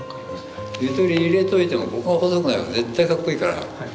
ゆとり入れといてもここが細くなれば絶対かっこいいから。